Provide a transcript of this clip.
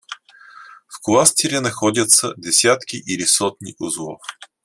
В кластере находятся десятки или сотни узлов